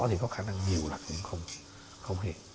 thì có khả năng nhiều là không nghe